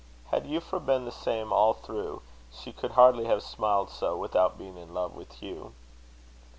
Had Euphra been the same all through, she could hardly have smiled so without being in love with Hugh.